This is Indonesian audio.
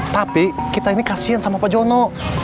tapi kita ini kasian sama pak jono